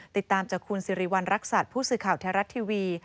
ติดตามจากคุณสิริวัณรักษัตริย์ผู้สื่อข่าวไทยรัฐทีวี